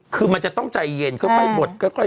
คือมันจะต้องใจเย็นค่อยบดบดอะไรอย่างนี้